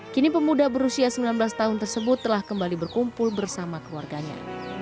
kini pemuda berusia sembilan belas tahun tersebut telah kembali berkumpul bersama keluarganya